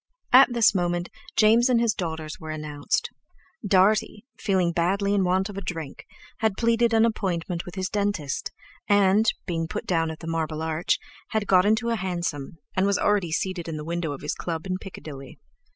At this moment James and his daughters were announced. Dartie, feeling badly in want of a drink, had pleaded an appointment with his dentist, and, being put down at the Marble Arch, had got into a hansom, and was already seated in the window of his club in Piccadilly.